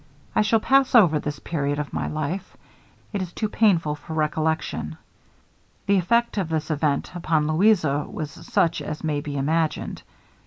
I shall pass over this period of my life. It is too painful for recollection. The effect of this event upon Louisa was such as may be imagined.